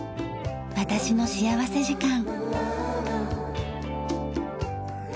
『私の幸福時間』。